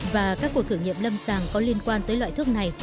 và các cuộc thử nghiệm lâm sàng có liên quan tới loại thuốc này